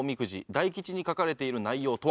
大吉に書かれている内容とは？